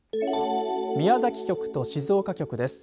宮崎局と静岡局です。